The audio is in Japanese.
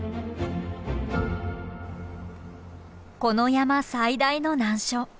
この山最大の難所。